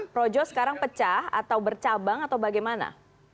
projo sekarang pecah atau bercabang atau bagaimana